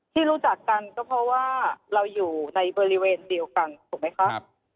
ที่รู้จักกันก็เพราะว่าเราอยู่ในบริเวณเดียวกันถูกไหมคะ